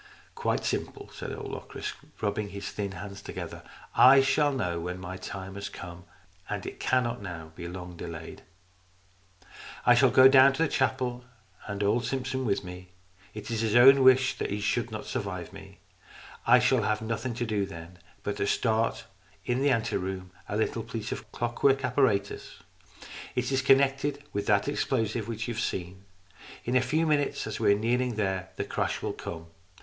" Quite simple," said old Locris, rubbing his thin hands together. " I shall know when my time has come, and it cannot now be long delayed. I shall go down to the chapel, and old Simpson with me. It is his own wish that he should not survive me. I shall have nothing to do then, but to start in the anteroom a little piece of clockwork apparatus. It is connected with that explosive which you have seen. In a few minutes, as we are kneeling there, the crash will come.